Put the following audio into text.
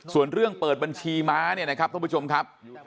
ส่วนเรื่องเปิดบัญชีม้าเนี่ยนะครับท่านผู้ชมครับ